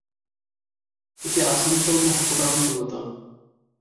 এটি আসানসোল মহকুমার অন্তর্গত।